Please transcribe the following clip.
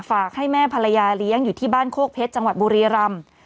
ฝากให้แม่ภรรยาเลี้ยงอยู่ที่บ้านโคกเพชรจังหวัดบุรีรำ